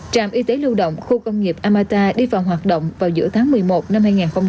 trạm y tế lưu động khu công nghiệp amata đi vào hoạt động vào giữa tháng một mươi một năm hai nghìn hai mươi